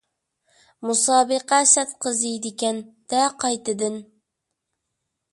مۇسابىقە سەت قىزىيدىكەن-دە قايتىدىن.